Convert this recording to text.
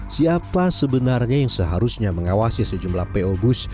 siapa sebenarnya yang seharusnya mengawasi sejumlah po bus